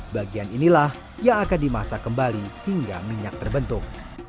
bagian inilah yang akan dimasak kembali hingga minyak terbentuk